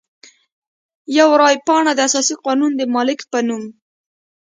یوه رای پاڼه د اساسي قانون د مالک په نوم.